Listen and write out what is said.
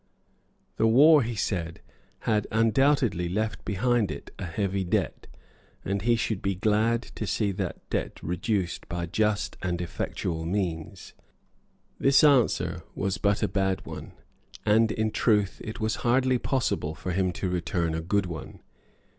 The war, he said, had undoubtedly left behind it a heavy debt; and he should be glad to see that debt reduced by just and effectual means. This answer was but a bad one; and, in truth, it was hardly possible for him to return a good one.